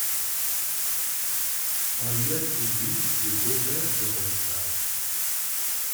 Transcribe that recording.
On lui attribue de beaux vers de Ronsard.